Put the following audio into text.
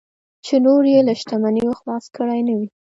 چې نور یې له شتمنیو خلاص کړي نه وي.